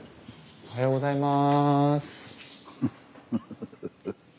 おはようございます。